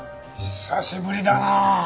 久しぶりだなあ。